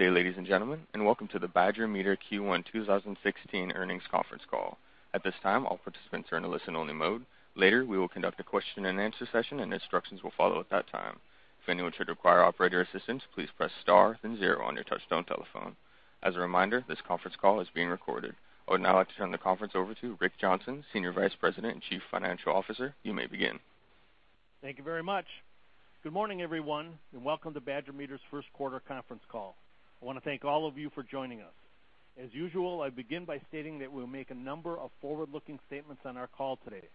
Good day, ladies and gentlemen, and welcome to the Badger Meter Q1 2016 earnings conference call. At this time, all participants are in a listen-only mode. Later, we will conduct a question and answer session, and instructions will follow at that time. If anyone should require operator assistance, please press star then zero on your touch-tone telephone. As a reminder, this conference call is being recorded. I would now like to turn the conference over to Rick Johnson, Senior Vice President and Chief Financial Officer. You may begin. Thank you very much. Good morning, everyone. Welcome to Badger Meter's first-quarter conference call. I want to thank all of you for joining us. As usual, I begin by stating that we'll make a number of forward-looking statements on our call today.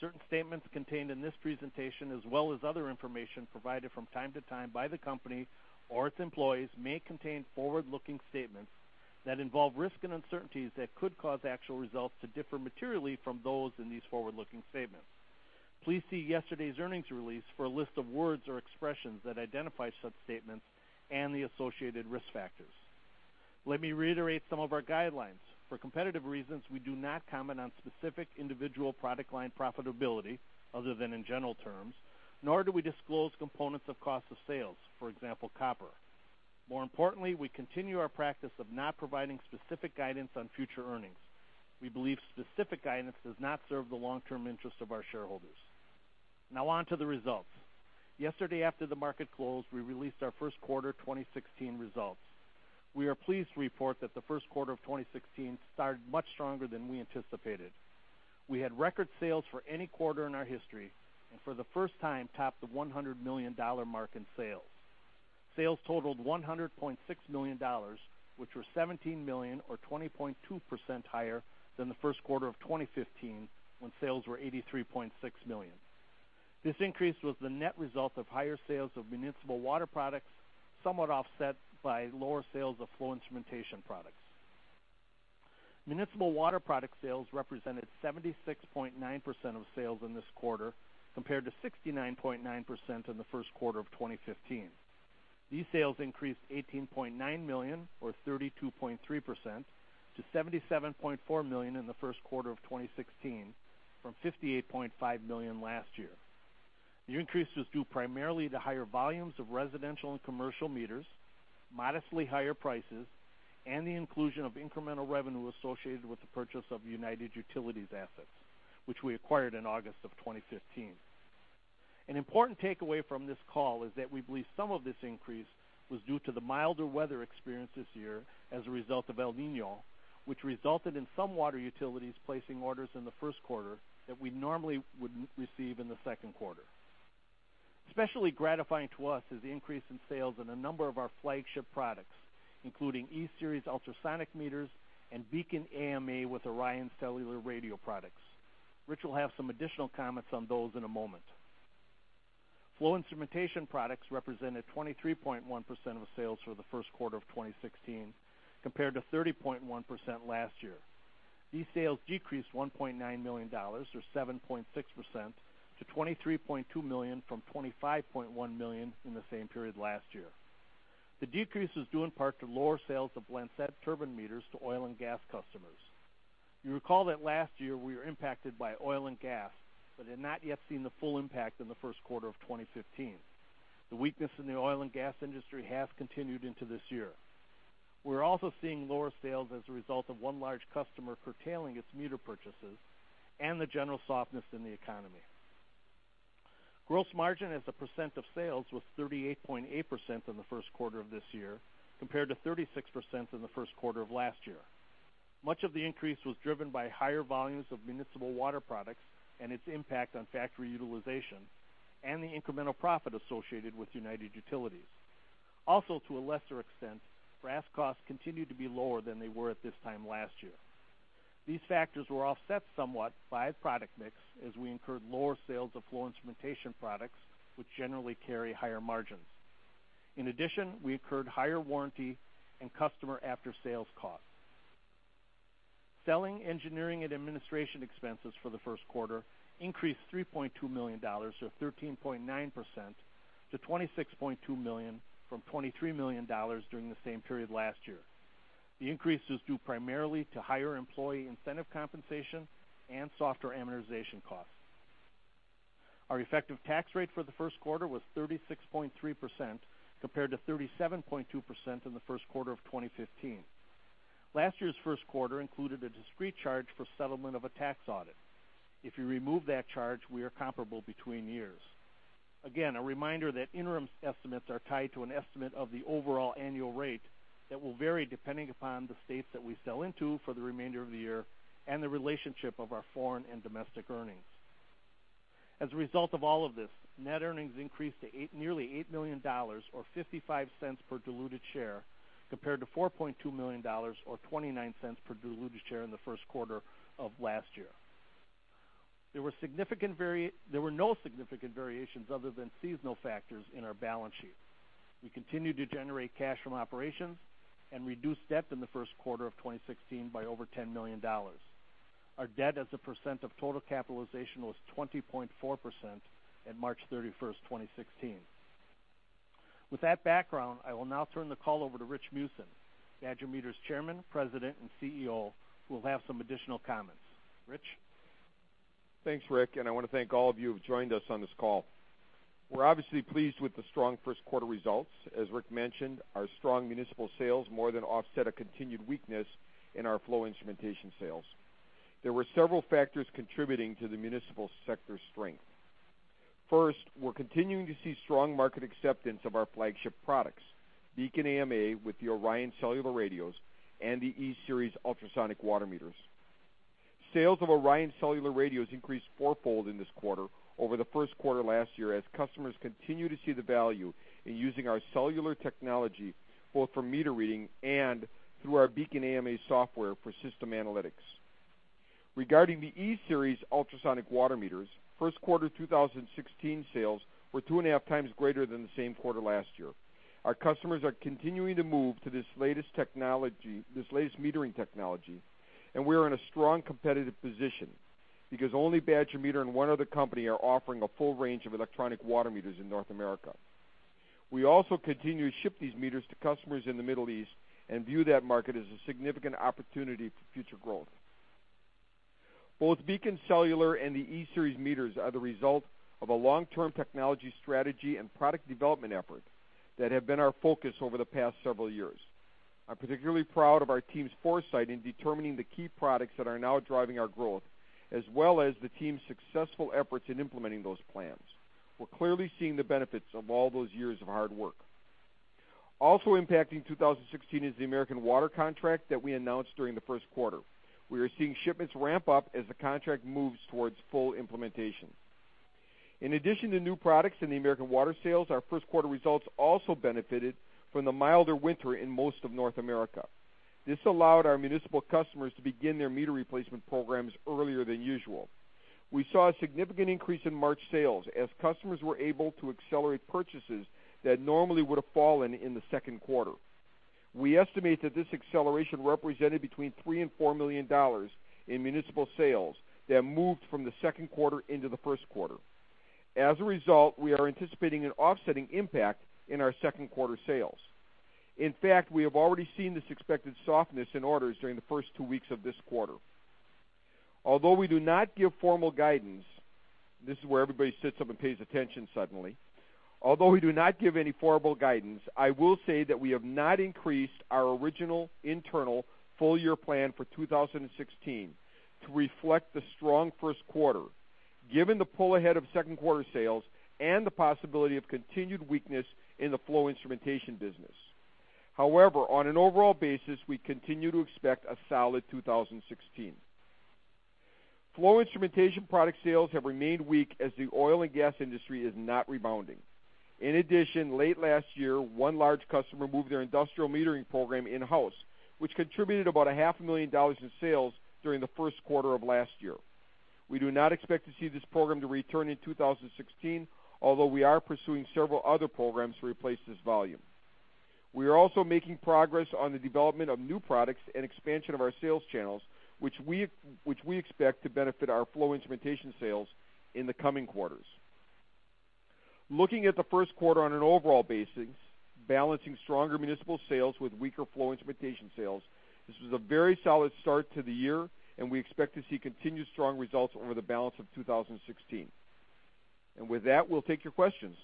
Certain statements contained in this presentation, as well as other information provided from time to time by the company or its employees, may contain forward-looking statements that involve risks and uncertainties that could cause actual results to differ materially from those in these forward-looking statements. Please see yesterday's earnings release for a list of words or expressions that identify such statements and the associated risk factors. Let me reiterate some of our guidelines. For competitive reasons, we do not comment on specific individual product line profitability other than in general terms, nor do we disclose components of cost of sales, for example, copper. More importantly, we continue our practice of not providing specific guidance on future earnings. We believe specific guidance does not serve the long-term interest of our shareholders. Now on to the results. Yesterday, after the market closed, we released our first quarter 2016 results. We are pleased to report that the first quarter of 2016 started much stronger than we anticipated. We had record sales for any quarter in our history, and for the first time topped the $100 million mark in sales. Sales totaled $100.6 million, which were $17 million or 20.2% higher than the first quarter of 2015, when sales were $83.6 million. This increase was the net result of higher sales of municipal water products, somewhat offset by lower sales of flow instrumentation products. Municipal water product sales represented 76.9% of sales in this quarter, compared to 69.9% in the first quarter of 2015. These sales increased $18.9 million or 32.3% to $77.4 million in the first quarter of 2016 from $58.5 million last year. The increase was due primarily to higher volumes of residential and commercial meters, modestly higher prices, and the inclusion of incremental revenue associated with the purchase of United Utilities assets, which we acquired in August of 2015. An important takeaway from this call is that we believe some of this increase was due to the milder weather experienced this year as a result of El Niño, which resulted in some water utilities placing orders in the first quarter that we normally would receive in the second quarter. Especially gratifying to us is the increase in sales in a number of our flagship products, including E-Series Ultrasonic Meters and BEACON AMA with ORION Cellular Radio products. Rich will have some additional comments on those in a moment. Flow instrumentation products represented 23.1% of sales for the first quarter of 2016, compared to 30.1% last year. These sales decreased $1.9 million or 7.6% to $23.2 million from $25.1 million in the same period last year. The decrease was due in part to lower sales of Blancett turbine meters to oil and gas customers. You recall that last year we were impacted by oil and gas but had not yet seen the full impact in the first quarter of 2015. The weakness in the oil and gas industry has continued into this year. We're also seeing lower sales as a result of one large customer curtailing its meter purchases and the general softness in the economy. Gross margin as a percent of sales was 38.8% in the first quarter of this year, compared to 36% in the first quarter of last year. Much of the increase was driven by higher volumes of municipal water products and its impact on factory utilization and the incremental profit associated with United Utilities. Also, to a lesser extent, brass costs continued to be lower than they were at this time last year. These factors were offset somewhat by product mix as we incurred lower sales of flow instrumentation products, which generally carry higher margins. In addition, we incurred higher warranty and customer after-sales costs. Selling engineering and administration expenses for the first quarter increased $3.2 million or 13.9% to $26.2 million from $23 million during the same period last year. The increase is due primarily to higher employee incentive compensation and softer amortization costs. Our effective tax rate for the first quarter was 36.3%, compared to 37.2% in the first quarter of 2015. Last year's first quarter included a discrete charge for settlement of a tax audit. If you remove that charge, we are comparable between years. Again, a reminder that interim estimates are tied to an estimate of the overall annual rate that will vary depending upon the states that we sell into for the remainder of the year and the relationship of our foreign and domestic earnings. As a result of all of this, net earnings increased to nearly $8 million or $0.55 per diluted share, compared to $4.2 million or $0.29 per diluted share in the first quarter of last year. There were no significant variations other than seasonal factors in our balance sheet. We continued to generate cash from operations and reduced debt in the first quarter of 2016 by over $10 million. Our debt as a percent of total capitalization was 20.4% at March 31st, 2016. With that background, I will now turn the call over to Rich Meeusen, Badger Meter's Chairman, President, and CEO, who will have some additional comments. Rich? Thanks, Rick, and I want to thank all of you who've joined us on this call. We're obviously pleased with the strong first quarter results. As Rick mentioned, our strong municipal sales more than offset a continued weakness in our flow instrumentation sales. There were several factors contributing to the municipal sector's strength. First, we're continuing to see strong market acceptance of our flagship products, BEACON AMA with the ORION Cellular radios and the E-Series ultrasonic water meters. Sales of ORION Cellular radios increased fourfold in this quarter over the first quarter last year, as customers continue to see the value in using our cellular technology, both for meter reading and through our BEACON AMA software for system analytics. Regarding the E-Series ultrasonic water meters, first quarter 2016 sales were two and a half times greater than the same quarter last year. Our customers are continuing to move to this latest metering technology. We are in a strong competitive position because only Badger Meter and one other company are offering a full range of electronic water meters in North America. We also continue to ship these meters to customers in the Middle East and view that market as a significant opportunity for future growth. Both BEACON Cellular and the E-Series meters are the result of a long-term technology strategy and product development effort that have been our focus over the past several years. I'm particularly proud of our team's foresight in determining the key products that are now driving our growth, as well as the team's successful efforts in implementing those plans. We're clearly seeing the benefits of all those years of hard work. Also impacting 2016 is the American Water contract that we announced during the first quarter. We are seeing shipments ramp up as the contract moves towards full implementation. In addition to new products in the American Water sales, our first quarter results also benefited from the milder winter in most of North America. This allowed our municipal customers to begin their meter replacement programs earlier than usual. We saw a significant increase in March sales as customers were able to accelerate purchases that normally would've fallen in the second quarter. We estimate that this acceleration represented between $3 million and $4 million in municipal sales that moved from the second quarter into the first quarter. As a result, we are anticipating an offsetting impact in our second quarter sales. In fact, we have already seen this expected softness in orders during the first two weeks of this quarter. Although we do not give formal guidance, this is where everybody sits up and pays attention suddenly. Although we do not give any formal guidance, I will say that we have not increased our original internal full-year plan for 2016 to reflect the strong first quarter, given the pull ahead of second quarter sales and the possibility of continued weakness in the flow instrumentation business. However, on an overall basis, we continue to expect a solid 2016. Flow instrumentation product sales have remained weak as the oil and gas industry is not rebounding. In addition, late last year, one large customer moved their industrial metering program in-house, which contributed about a half a million dollars in sales during the first quarter of last year. We do not expect to see this program to return in 2016, although we are pursuing several other programs to replace this volume. We are also making progress on the development of new products and expansion of our sales channels, which we expect to benefit our flow instrumentation sales in the coming quarters. Looking at the first quarter on an overall basis, balancing stronger municipal sales with weaker flow instrumentation sales, this was a very solid start to the year, we expect to see continued strong results over the balance of 2016. With that, we'll take your questions.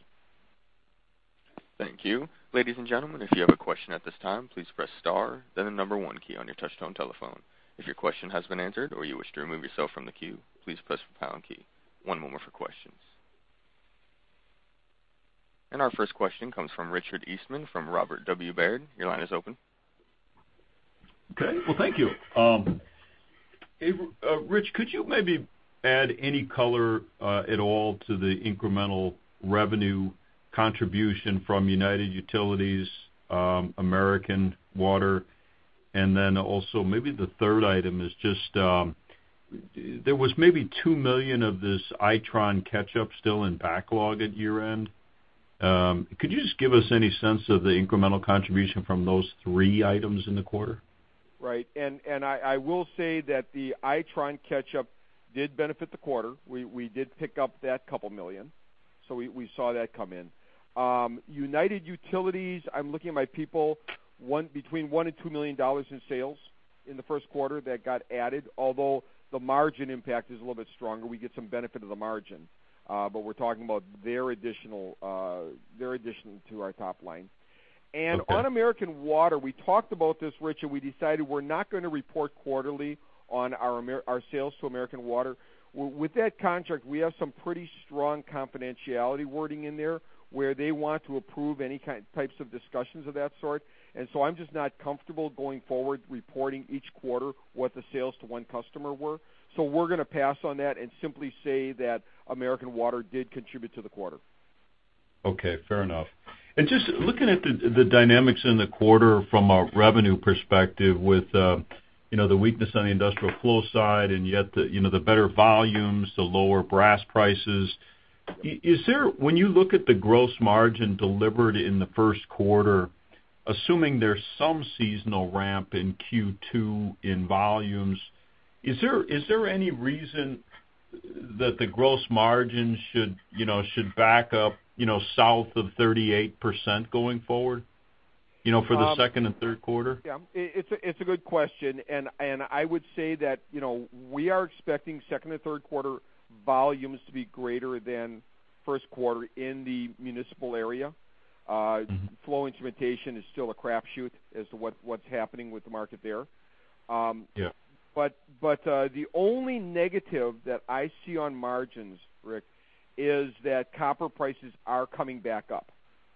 Thank you. Ladies and gentlemen, if you have a question at this time, please press star, then the number one key on your touchtone telephone. If your question has been answered or you wish to remove yourself from the queue, please press the pound key. One moment for questions. Our first question comes from Richard Eastman from Robert W. Baird. Your line is open. Okay. Well, thank you. Rich, could you maybe add any color at all to the incremental revenue contribution from United Utilities, American Water? Then also maybe the third item is just, there was maybe $2 million of this Itron catch-up still in backlog at year-end. Could you just give us any sense of the incremental contribution from those three items in the quarter? Right. I will say that the Itron catch-up did benefit the quarter. We did pick up that $2 million. We saw that come in. United Utilities, I'm looking at my people, between $1 million and $2 million in sales in the first quarter that got added. Although the margin impact is a little bit stronger. We get some benefit of the margin. We're talking about their addition to our top line. Okay. On American Water, we talked about this, Rich, we decided we're not going to report quarterly on our sales to American Water. With that contract, we have some pretty strong confidentiality wording in there, where they want to approve any types of discussions of that sort. I'm just not comfortable going forward reporting each quarter what the sales to one customer were. We're going to pass on that and simply say that American Water did contribute to the quarter. Okay, fair enough. Just looking at the dynamics in the quarter from a revenue perspective with the weakness on the industrial flow side and yet the better volumes, the lower brass prices. When you look at the gross margin delivered in the first quarter, assuming there's some seasonal ramp in Q2 in volumes, is there any reason that the gross margin should back up south of 38% going forward? For the second and third quarter? Yeah. It's a good question, I would say that we are expecting second and third quarter volumes to be greater than first quarter in the municipal area. Flow instrumentation is still a crap shoot as to what's happening with the market there. Yeah. The only negative that I see on margins, Rick, is that copper prices are coming back up.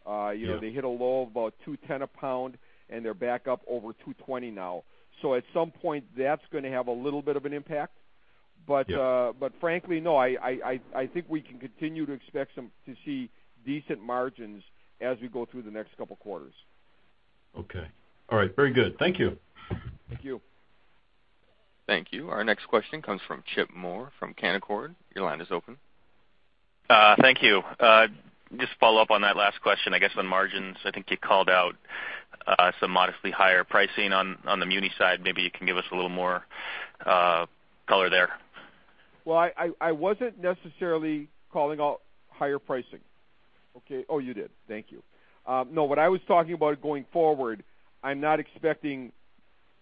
Yeah. They hit a low of about $2.10 a pound, and they're back up over $2.20 now. At some point, that's going to have a little bit of an impact. Yeah. Frankly, no, I think we can continue to expect to see decent margins as we go through the next couple of quarters. Okay. All right. Very good. Thank you. Thank you. Thank you. Our next question comes from Chip Moore from Canaccord. Your line is open. Thank you. Just follow up on that last question, I guess, on margins. I think you called out some modestly higher pricing on the muni side. Maybe you can give us a little more color there. Well, I wasn't necessarily calling out higher pricing. Okay. Oh, you did. Thank you. No, what I was talking about going forward, I'm not expecting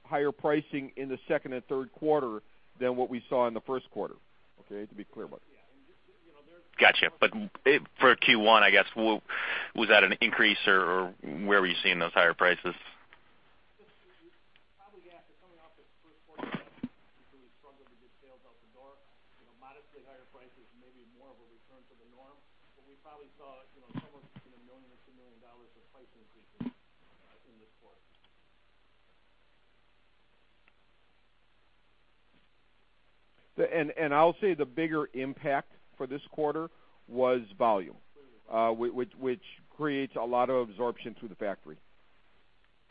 higher pricing in the second and third quarter than what we saw in the first quarter, okay? To be clear about it. Got you. For Q1, I guess, was that an increase or where were you seeing those higher prices? Probably after coming off its first quarter because we struggled to get sales out the door. Modestly higher prices may be more of a return to the norm, but we probably saw somewhere between $1 million to $2 million of price increases in this quarter. I'll say the bigger impact for this quarter was volume which creates a lot of absorption through the factory.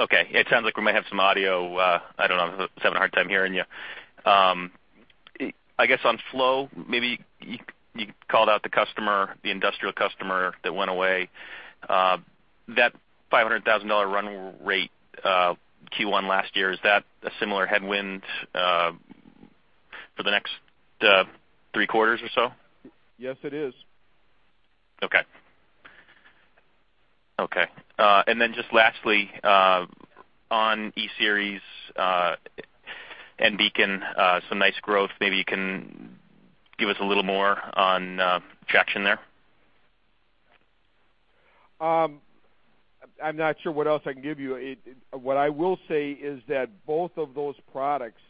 Okay. It sounds like we might have some audio, I don't know, I'm just having a hard time hearing you. I guess on flow, maybe you called out the customer, the industrial customer that went away. That $500,000 run rate, Q1 last year, is that a similar headwind for the next three quarters or so? Yes, it is. Okay. Just lastly, on E-Series, and BEACON, some nice growth. Maybe you can give us a little more on traction there. I'm not sure what else I can give you. What I will say is that both of those products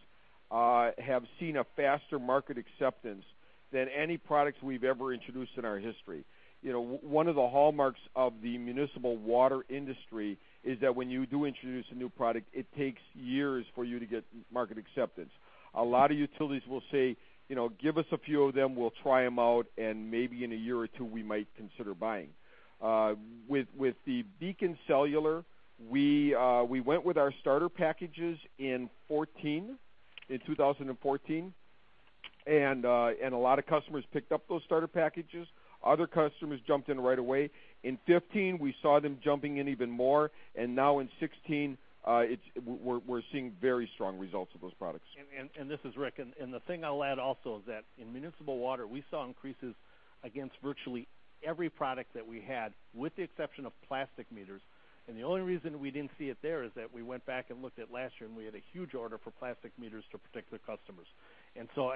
have seen a faster market acceptance than any products we've ever introduced in our history. One of the hallmarks of the municipal water industry is that when you do introduce a new product, it takes years for you to get market acceptance. A lot of utilities will say, "Give us a few of them, we'll try them out, and maybe in a year or two, we might consider buying." With the BEACON Cellular, we went with our starter packages in 2014. A lot of customers picked up those starter packages. Other customers jumped in right away. In 2015, we saw them jumping in even more, now in 2016, we're seeing very strong results of those products. And this is Rick. The thing I'll add also is that in municipal water, we saw increases against virtually every product that we had, with the exception of plastic meters. The only reason we didn't see it there is that we went back and looked at last year, and we had a huge order for plastic meters to particular customers. So,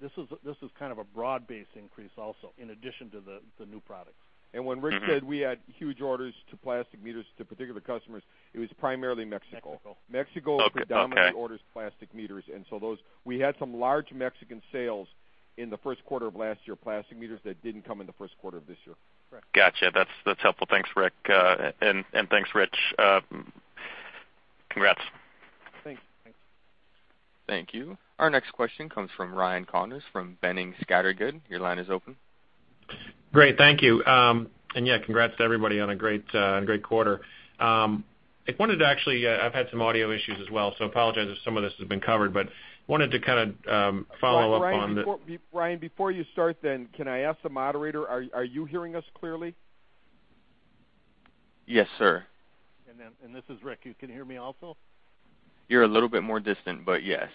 this is kind of a broad-based increase also, in addition to the new products. When Rick said we had huge orders to plastic meters to particular customers, it was primarily Mexico. Mexico. Mexico predominantly orders plastic meters. So those, we had some large Mexican sales in the first quarter of last year, plastic meters, that didn't come in the first quarter of this year. Correct. Got you. That's helpful. Thanks, Rick. and thanks, Rich. Congrats. Thanks. Thanks. Thank you. Our next question comes from Ryan Connors from Boenning & Scattergood. Your line is open. Great. Thank you. Yeah, congrats to everybody on a great quarter. I wanted to actually, I've had some audio issues as well, so apologize if some of this has been covered, but wanted to kind of follow up on the- Ryan, before you start, can I ask the moderator, are you hearing us clearly? Yes, sir. This is Rick. You can hear me also? You're a little bit more distant, yes.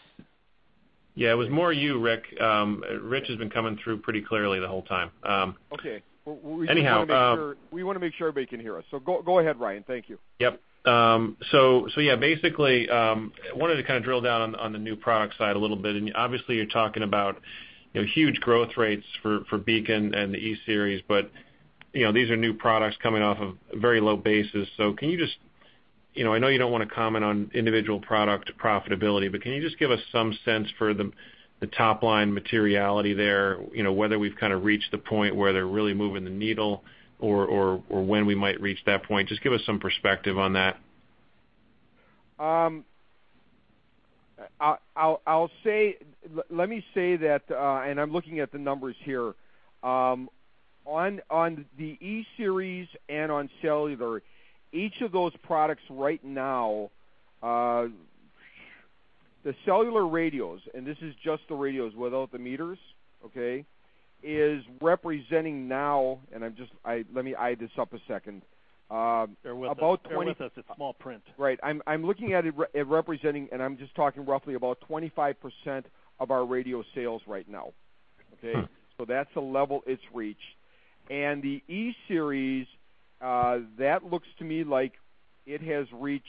It was more you, Rick. Rich has been coming through pretty clearly the whole time. Okay. Anyhow- We want to make sure everybody can hear us. Go ahead, Ryan. Thank you. Basically, wanted to kind of drill down on the new product side a little bit. Obviously you're talking about huge growth rates for BEACON and the E-Series, these are new products coming off of a very low basis. I know you don't want to comment on individual product profitability, can you just give us some sense for the top-line materiality there? Whether we've kind of reached the point where they're really moving the needle or when we might reach that point. Just give us some perspective on that. Let me say that, I'm looking at the numbers here. On the E-Series and on Cellular, each of those products right now, the Cellular radios, and this is just the radios without the meters, okay, is representing now, and let me eye this up a second. Bear with us. It's small print. Right. I'm looking at it representing, I'm just talking roughly about 25% of our radio sales right now. Okay. That's the level it's reached. The E-Series, that looks to me like it has reached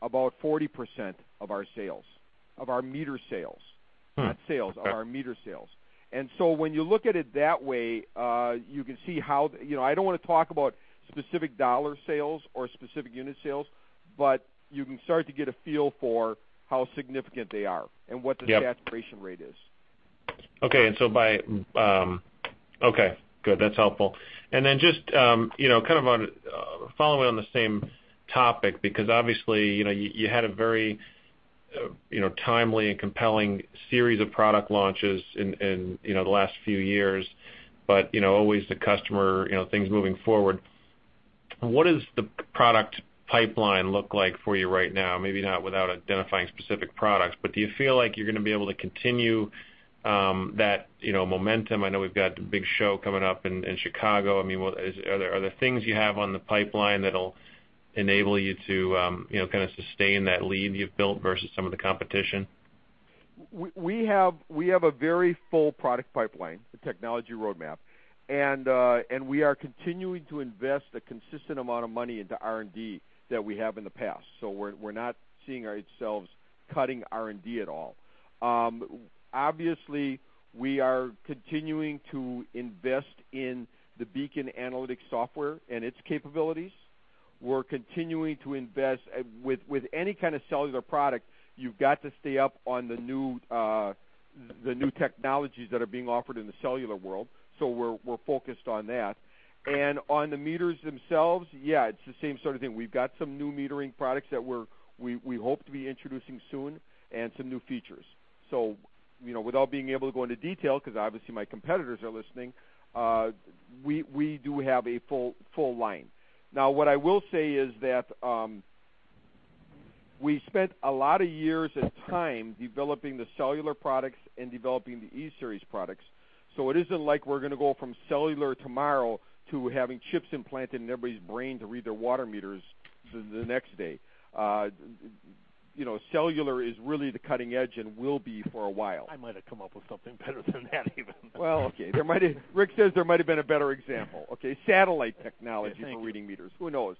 about 40% of our sales, of our meter sales. Hmm. Okay. Not sales, our meter sales. When you look at it that way, you can see how I don't want to talk about specific dollar sales or specific unit sales, but you can start to get a feel for how significant they are and what- Yep the saturation rate is. Okay. Good. That's helpful. Then just, following on the same topic, because obviously, you had a very timely and compelling series of product launches in the last few years, but always the customer, things moving forward. What does the product pipeline look like for you right now? Maybe not without identifying specific products, but do you feel like you're going to be able to continue that momentum? I know we've got the big show coming up in Chicago. Are there things you have on the pipeline that'll enable you to sustain that lead you've built versus some of the competition? We have a very full product pipeline, a technology roadmap, and we are continuing to invest a consistent amount of money into R&D that we have in the past. We're not seeing ourselves cutting R&D at all. Obviously, we are continuing to invest in the BEACON analytics software and its capabilities. We're continuing to invest With any kind of cellular product, you've got to stay up on the new technologies that are being offered in the cellular world. We're focused on that. On the meters themselves, yeah, it's the same sort of thing. We've got some new metering products that we hope to be introducing soon and some new features. Without being able to go into detail, because obviously my competitors are listening, we do have a full line. What I will say is that, we spent a lot of years and time developing the cellular products and developing the E-Series products. It isn't like we're going to go from cellular tomorrow to having chips implanted in everybody's brain to read their water meters the next day. Cellular is really the cutting edge and will be for a while. I might have come up with something better than that even. Well, okay. Rick says there might have been a better example. Okay. Satellite technology- Thank you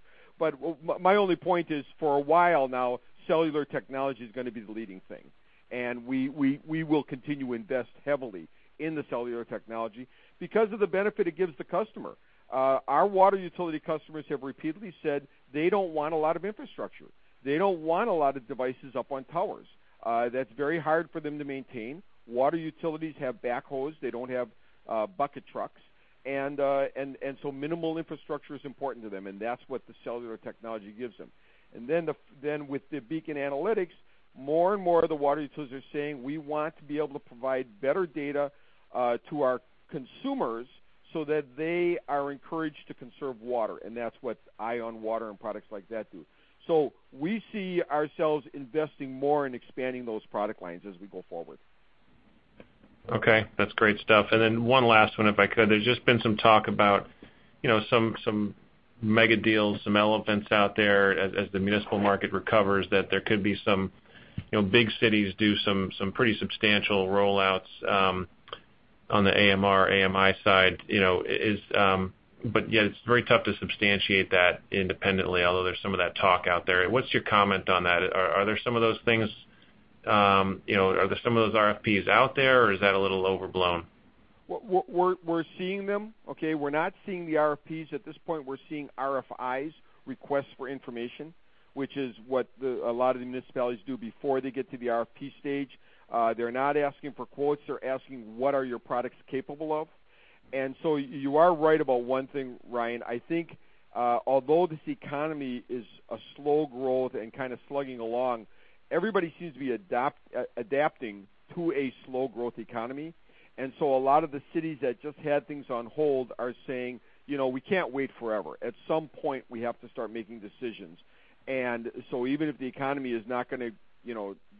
My only point is, for a while now, cellular technology is going to be the leading thing. We will continue to invest heavily in the cellular technology because of the benefit it gives the customer. Our water utility customers have repeatedly said they don't want a lot of infrastructure. They don't want a lot of devices up on towers. That's very hard for them to maintain. Water utilities have backhoes. They don't have bucket trucks. Minimal infrastructure is important to them, and that's what the cellular technology gives them. With the BEACON analytics, more and more of the water utilities are saying, "We want to be able to provide better data to our consumers so that they are encouraged to conserve water." That's what EyeOnWater and products like that do. We see ourselves investing more in expanding those product lines as we go forward. Okay. That's great stuff. One last one, if I could. There's just been some talk about some mega deals, some elephants out there as the municipal market recovers, that there could be some big cities do some pretty substantial rollouts on the AMR, AMI side. Yeah, it's very tough to substantiate that independently, although there's some of that talk out there. What's your comment on that? Are there some of those RFPs out there, or is that a little overblown? We're seeing them, okay? We're not seeing the RFPs at this point. We're seeing RFIs, requests for information, which is what a lot of the municipalities do before they get to the RFP stage. They're not asking for quotes. They're asking, what are your products capable of? You are right about one thing, Ryan. I think, although this economy is a slow growth and kind of slugging along, everybody seems to be adapting to a slow growth economy. A lot of the cities that just had things on hold are saying, "We can't wait forever. At some point, we have to start making decisions. Even if the economy is not going to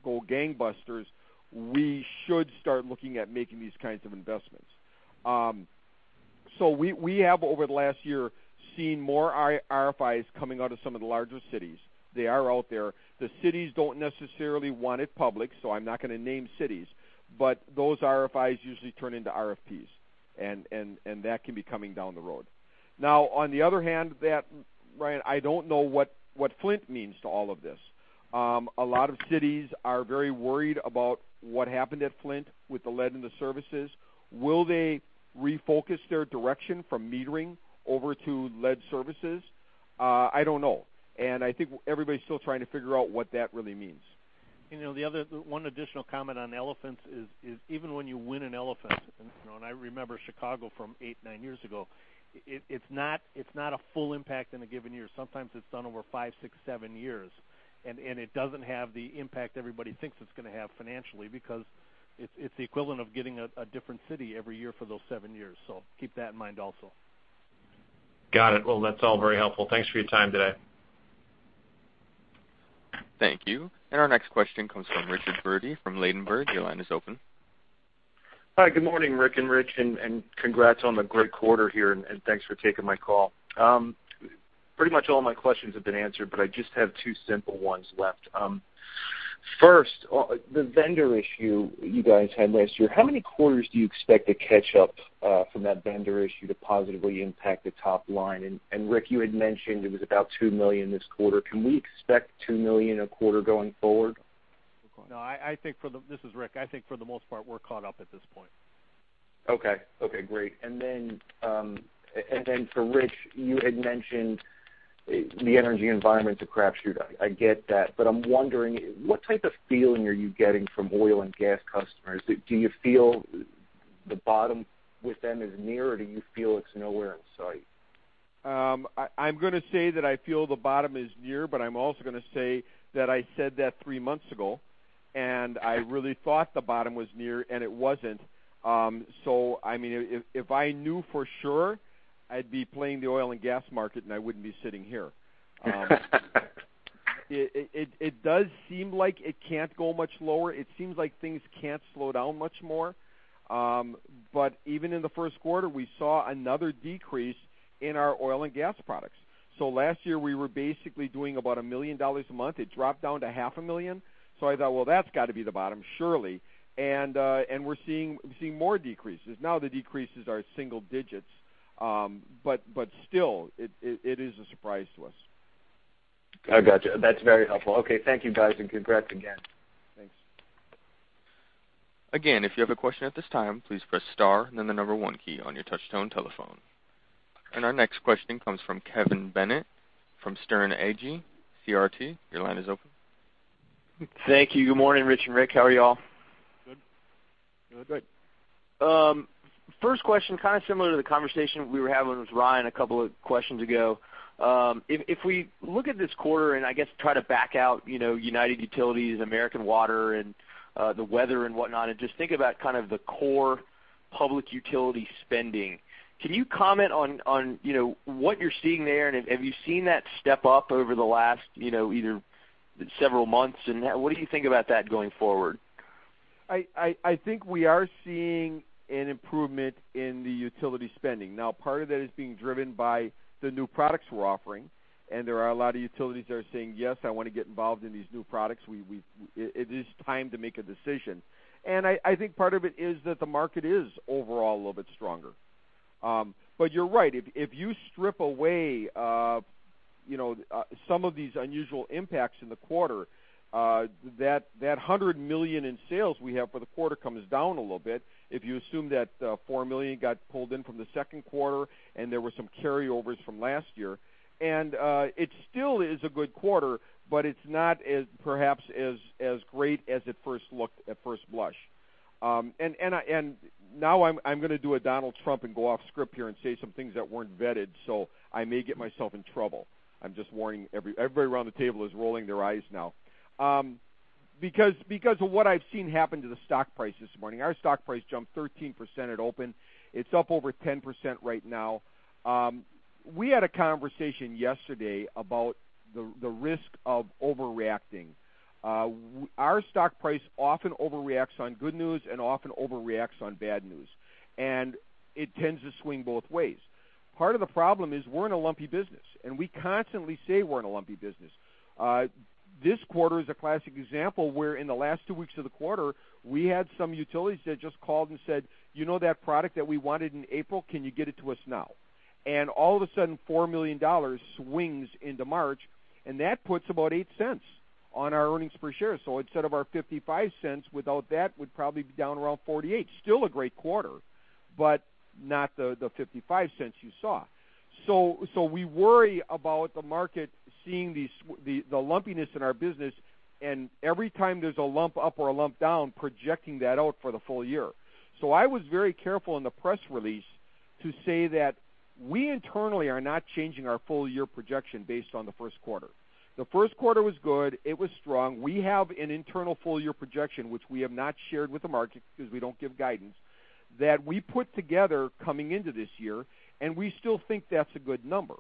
go gangbusters, we should start looking at making these kinds of investments." We have, over the last year, seen more RFIs coming out of some of the larger cities. They are out there. The cities don't necessarily want it public, I'm not going to name cities, those RFIs usually turn into RFPs, and that can be coming down the road. On the other hand, that, Ryan, I don't know what Flint means to all of this. A lot of cities are very worried about what happened at Flint with the lead in the services. Will they refocus their direction from metering over to lead services? I don't know. I think everybody's still trying to figure out what that really means. The other one additional comment on elephants is even when you win an elephant, and I remember Chicago from eight, nine years ago, it's not a full impact in a given year. Sometimes it's done over five, six, seven years, it doesn't have the impact everybody thinks it's going to have financially because it's the equivalent of getting a different city every year for those seven years. Keep that in mind also. Got it. Well, that's all very helpful. Thanks for your time today. Thank you. Our next question comes from Richard Birdy from Ladenburg. Your line is open. Hi, good morning, Rick and Rich, congrats on the great quarter here, thanks for taking my call. Pretty much all my questions have been answered, I just have two simple ones left. First, the vendor issue you guys had last year, how many quarters do you expect to catch up from that vendor issue to positively impact the top line? Rick, you had mentioned it was about $2 million this quarter. Can we expect $2 million a quarter going forward? No, this is Rick. I think for the most part, we're caught up at this point. Okay. Okay, great. Then, for Rich, you had mentioned the energy environment's a crapshoot. I get that, I'm wondering, what type of feeling are you getting from oil and gas customers? Do you feel the bottom with them is near, do you feel it's nowhere in sight? I'm going to say that I feel the bottom is near, I'm also going to say that I said that three months ago, I really thought the bottom was near, it wasn't. I mean, if I knew for sure, I'd be playing the oil and gas market and I wouldn't be sitting here. It does seem like it can't go much lower. It seems like things can't slow down much more. Even in the first quarter, we saw another decrease in our oil and gas products. Last year, we were basically doing about $1 million a month. It dropped down to half a million. I thought, well, that's got to be the bottom, surely. We're seeing more decreases. Now the decreases are single digits. Still, it is a surprise to us. I got you. That's very helpful. Okay, thank you, guys, and congrats again. Thanks. If you have a question at this time, please press star and then the number 1 key on your touch-tone telephone. Our next questioning comes from Kevin Bennett from Sterne Agee CRT. Your line is open. Thank you. Good morning, Rich and Rick. How are you all? Good. Good. First question, kind of similar to the conversation we were having with Ryan a couple of questions ago. If we look at this quarter and I guess try to back out United Utilities, American Water, and the weather and whatnot, and just think about kind of the core public utility spending, can you comment on what you're seeing there? Have you seen that step up over the last either several months and what do you think about that going forward? I think we are seeing an improvement in the utility spending. Part of that is being driven by the new products we're offering, and there are a lot of utilities that are saying, "Yes, I want to get involved in these new products. It is time to make a decision." I think part of it is that the market is overall a little bit stronger. You're right. If you strip away some of these unusual impacts in the quarter, that $100 million in sales we have for the quarter comes down a little bit. If you assume that, $4 million got pulled in from the second quarter, and there were some carryovers from last year. It still is a good quarter, but it's not perhaps as great as it first looked at first blush. Now I'm going to do a Donald Trump and go off script here and say some things that weren't vetted, so I may get myself in trouble. I'm just warning. Everybody around the table is rolling their eyes now. Because of what I've seen happen to the stock price this morning, our stock price jumped 13% at open. It's up over 10% right now. We had a conversation yesterday about the risk of overreacting. Our stock price often overreacts on good news and often overreacts on bad news, and it tends to swing both ways. Part of the problem is we're in a lumpy business, and we constantly say we're in a lumpy business. This quarter is a classic example where in the last 2 weeks of the quarter, we had some utilities that just called and said, "You know that product that we wanted in April, can you get it to us now?" All of a sudden, $4 million swings into March, and that puts about $0.08 on our earnings per share. Instead of our $0.55, without that, would probably be down around $0.48. Still a great quarter, but not the $0.55 you saw. We worry about the market seeing the lumpiness in our business, and every time there's a lump up or a lump down, projecting that out for the full year. I was very careful in the press release to say that we internally are not changing our full-year projection based on the first quarter. The first quarter was good. It was strong. We have an internal full-year projection, which we have not shared with the market because we don't give guidance, that we put together coming into this year, and we still think that's a good number.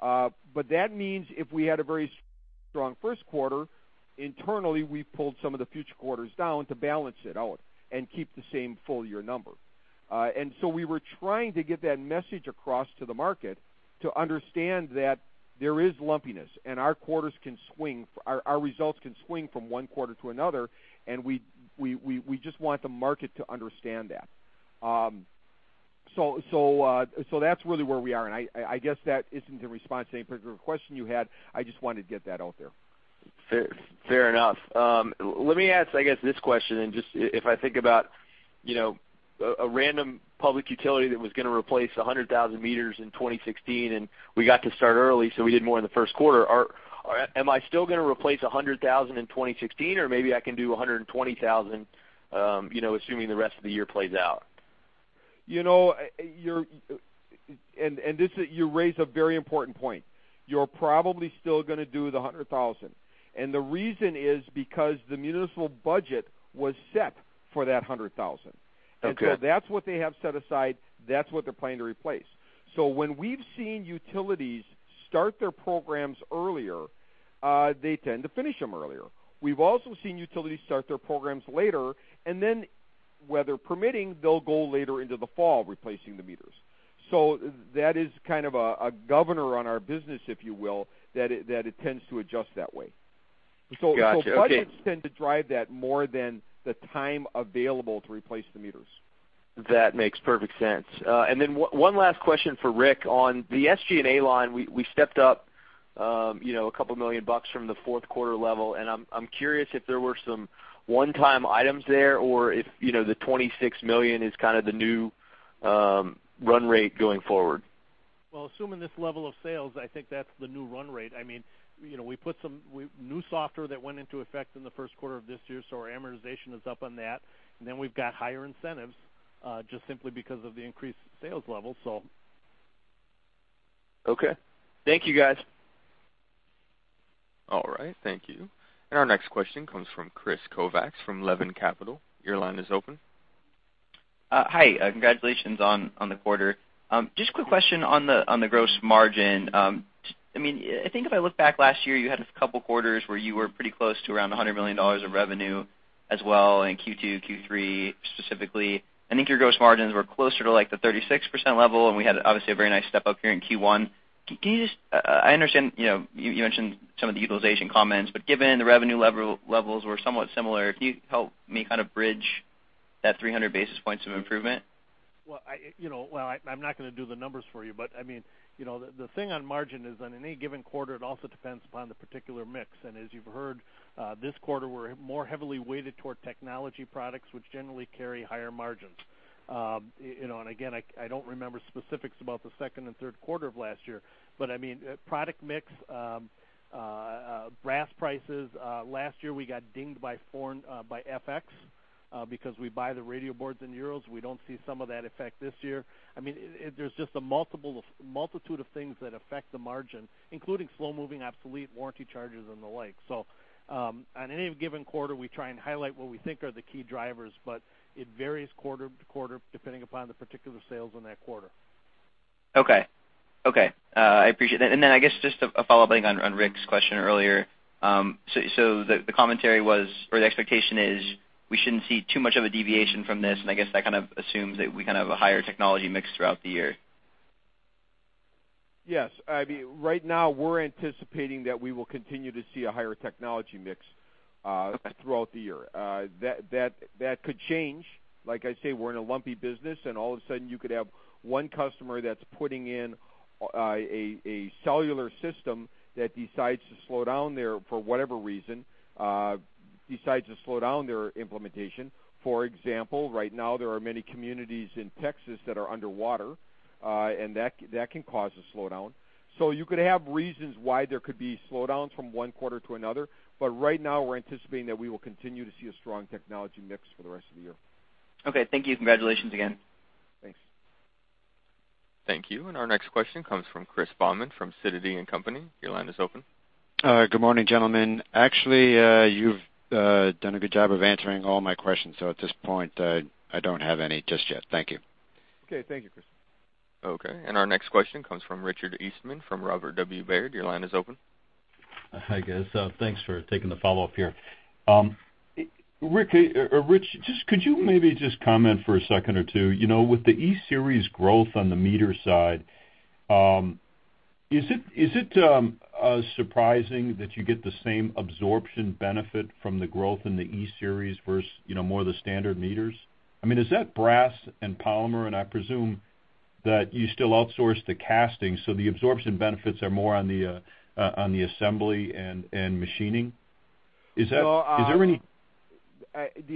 That means if we had a very strong first quarter, internally, we pulled some of the future quarters down to balance it out and keep the same full-year number. We were trying to get that message across to the market to understand that there is lumpiness and our results can swing from one quarter to another, and we just want the market to understand that. That's really where we are, and I guess that isn't in response to any particular question you had. I just wanted to get that out there. Fair enough. Let me ask, I guess this question just if I think about a random public utility that was going to replace 100,000 meters in 2016, we got to start early, so we did more in the first quarter. Am I still going to replace 100,000 in 2016? Or maybe I can do 120,000, assuming the rest of the year plays out. You raise a very important point. You're probably still going to do the 100,000. The reason is because the municipal budget was set for that 100,000. Okay. That's what they have set aside. That's what they're planning to replace. When we've seen utilities start their programs earlier, they tend to finish them earlier. We've also seen utilities start their programs later weather permitting, they'll go later into the fall replacing the meters. That is kind of a governor on our business, if you will, that it tends to adjust that way. Got you. Okay. Budgets tend to drive that more than the time available to replace the meters. That makes perfect sense. Then one last question for Rick. On the SG&A line, we stepped up $2 million from the fourth quarter level, and I'm curious if there were some one-time items there or if the $26 million is kind of the new run rate going forward. Well, assuming this level of sales, I think that's the new run rate. We put some new software that went into effect in the first quarter of this year, so our amortization is up on that. Then we've got higher incentives, just simply because of the increased sales level. Okay. Thank you, guys. Thank you. Our next question comes from Chris Kovacs from Levin Capital. Your line is open. Hi. Congratulations on the quarter. Just a quick question on the gross margin. I think if I look back last year, you had a couple of quarters where you were pretty close to around $100 million of revenue as well in Q2, Q3 specifically. I think your gross margins were closer to like the 36% level, we had obviously a very nice step-up here in Q1. I understand you mentioned some of the utilization comments, given the revenue levels were somewhat similar, can you help me kind of bridge that 300 basis points of improvement? I'm not going to do the numbers for you, the thing on margin is on any given quarter, it also depends upon the particular mix. As you've heard, this quarter we're more heavily weighted toward technology products, which generally carry higher margins. Again, I don't remember specifics about the 2nd and 3rd quarter of last year. Product mix, brass prices. Last year we got dinged by FX because we buy the radio boards in EUR. We don't see some of that effect this year. There's just a multitude of things that affect the margin, including slow-moving obsolete warranty charges and the like. On any given quarter, we try and highlight what we think are the key drivers, it varies quarter to quarter, depending upon the particular sales in that quarter. Okay. I appreciate that. I guess just a follow-up on Rick's question earlier. The commentary was, or the expectation is we shouldn't see too much of a deviation from this, I guess that kind of assumes that we kind of have a higher technology mix throughout the year. Yes. Right now we're anticipating that we will continue to see a higher technology mix throughout the year. That could change. Like I say, we're in a lumpy business. All of a sudden, you could have one customer that's putting in a cellular system that decides to slow down there for whatever reason, decides to slow down their implementation. For example, right now there are many communities in Texas that are underwater, and that can cause a slowdown. You could have reasons why there could be slowdowns from one quarter to another. Right now we're anticipating that we will continue to see a strong technology mix for the rest of the year. Okay. Thank you. Congratulations again. Thanks. Thank you. Our next question comes from Chris Baumann from Sidoti & Company. Your line is open. Good morning, gentlemen. Actually, you've done a good job of answering all my questions. At this point, I don't have any just yet. Thank you. Okay. Thank you, Chris. Okay. Our next question comes from Richard Eastman from Robert W. Baird. Your line is open. Hi, guys. Thanks for taking the follow-up here. Rick or Rich, could you maybe just comment for a second or two, with the E-Series growth on the meter side, is it surprising that you get the same absorption benefit from the growth in the E-Series versus more of the standard meters? Is that brass and polymer, and I presume that you still outsource the casting, so the absorption benefits are more on the assembly and machining? The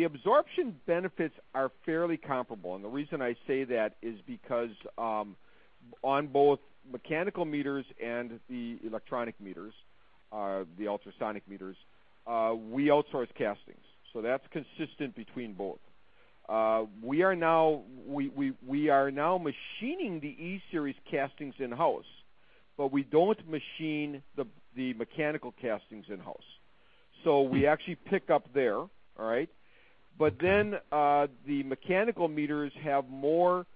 absorption benefits are fairly comparable, and the reason I say that is because on both mechanical meters and the electronic meters, the ultrasonic meters, we outsource castings. That's consistent between both. We are now machining the E-Series castings in-house, but we don't machine the mechanical castings in-house. We actually pick up there. All right? The mechanical meters have more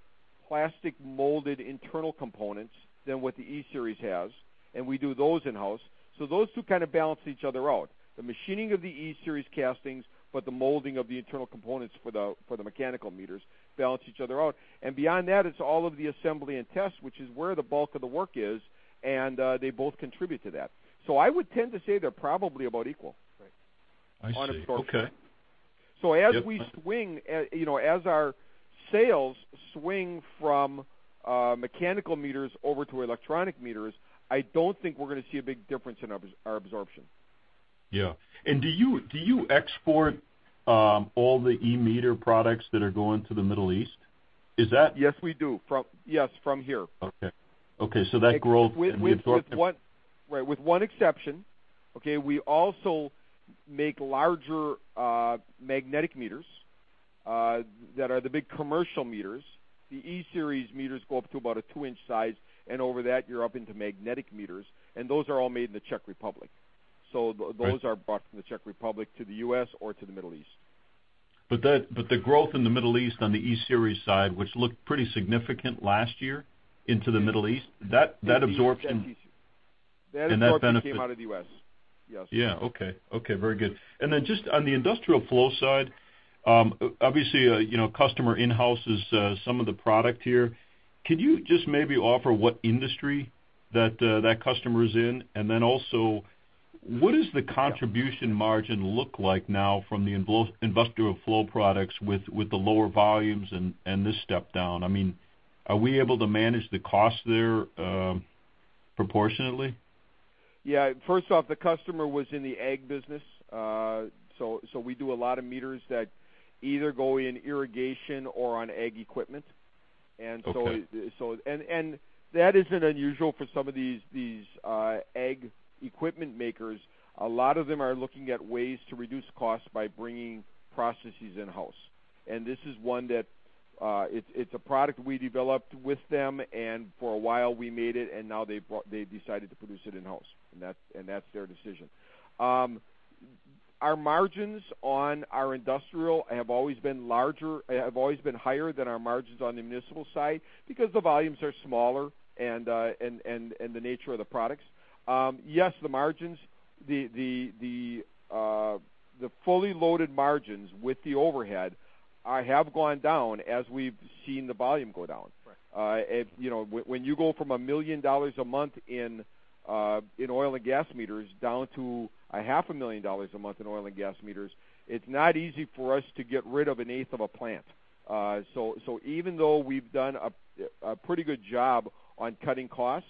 plastic molded internal components than what the E-Series has, and we do those in-house. Those two kind of balance each other out. The machining of the E-Series castings, but the molding of the internal components for the mechanical meters balance each other out. Beyond that, it's all of the assembly and test, which is where the bulk of the work is, and they both contribute to that. I would tend to say they're probably about equal. Right. I see. Okay. On absorption. As our sales swing from mechanical meters over to electronic meters, I don't think we're going to see a big difference in our absorption. Do you export all the E-Series products that are going to the Middle East? Yes, we do. Yes, from here. Okay. That growth and the absorption- Right. With one exception, okay? We also make larger magnetic meters, that are the big commercial meters. The E-Series meters go up to about a two-inch size, and over that, you're up into magnetic meters, and those are all made in the Czech Republic. Right. Those are brought from the Czech Republic to the U.S. or to the Middle East. The growth in the Middle East on the E-Series side, which looked pretty significant last year into the Middle East, that absorption- That equipment came out of the U.S. Yes. Yeah. Okay. Very good. Just on the industrial flow side, obviously, customer in-houses some of the product here. Could you just maybe offer what industry that customer is in? Also, what is the contribution margin look like now from the industrial flow products with the lower volumes and this step down? Are we able to manage the cost there proportionately? Yeah. First off, the customer was in the ag business. We do a lot of meters that either go in irrigation or on ag equipment. Okay. That isn't unusual for some of these ag equipment makers. A lot of them are looking at ways to reduce costs by bringing processes in-house. This is one that, it's a product we developed with them, for a while we made it, now they've decided to produce it in-house. That's their decision. Our margins on our industrial have always been higher than our margins on the municipal side because the volumes are smaller and the nature of the products. Yes, the fully loaded margins with the overhead have gone down as we've seen the volume go down. Right. When you go from $1 million a month in oil and gas meters down to a half a million dollars a month in oil and gas meters, it's not easy for us to get rid of an eighth of a plant. Even though we've done a pretty good job on cutting costs,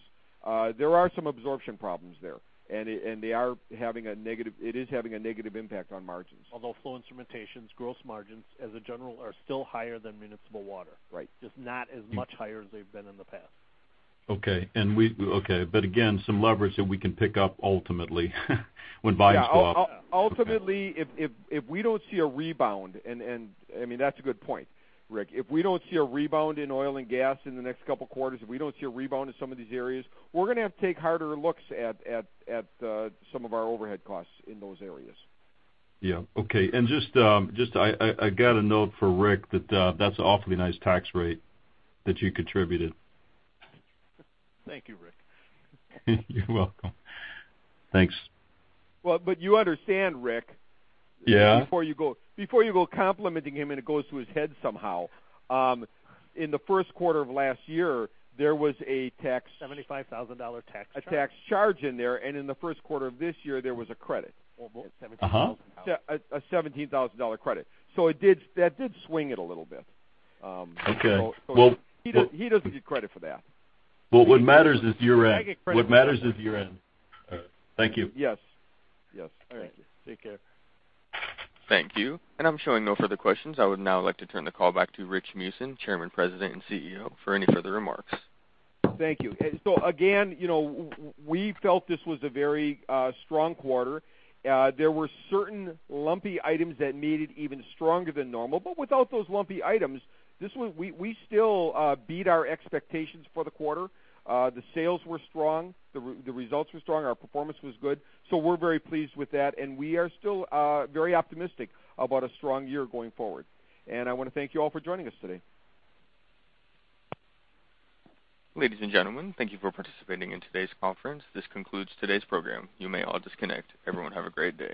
there are some absorption problems there, and it is having a negative impact on margins. Although flow instrumentation's gross margins, as a general, are still higher than municipal water. Right. Just not as much higher as they've been in the past. Okay. Again, some leverage that we can pick up ultimately when volumes go up. Yeah. Ultimately, if we don't see a rebound, and that's a good point, Rick. If we don't see a rebound in oil and gas in the next couple of quarters, if we don't see a rebound in some of these areas, we're going to have to take harder looks at some of our overhead costs in those areas. Okay. I got a note for Rick that's an awfully nice tax rate that you contributed. Thank you, Rick. You're welcome. Thanks. Well, you understand, Rick. Yeah before you go complimenting him, it goes to his head somehow. In the first quarter of last year, there was a tax. $75,000 tax charge. a tax charge in there, in the first quarter of this year, there was a credit. Almost a $17,000. A $17,000 credit. That did swing it a little bit. Okay. He doesn't get credit for that. Well, what matters is your end. Thank you. Yes. Thank you. Take care. Thank you. I'm showing no further questions. I would now like to turn the call back to Rich Meeusen, Chairman, President, and CEO, for any further remarks. Thank you. Again, we felt this was a very strong quarter. There were certain lumpy items that made it even stronger than normal. Without those lumpy items, we still beat our expectations for the quarter. The sales were strong, the results were strong, our performance was good. We're very pleased with that, and we are still very optimistic about a strong year going forward. I want to thank you all for joining us today. Ladies and gentlemen, thank you for participating in today's conference. This concludes today's program. You may all disconnect. Everyone have a great day.